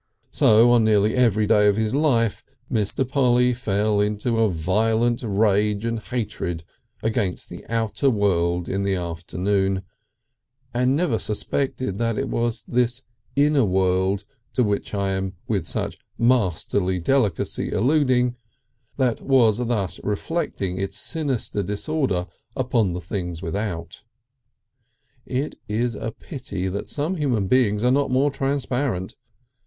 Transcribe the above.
So on nearly every day in his life Mr. Polly fell into a violent rage and hatred against the outer world in the afternoon, and never suspected that it was this inner world to which I am with such masterly delicacy alluding, that was thus reflecting its sinister disorder upon the things without. It is a pity that some human beings are not more transparent.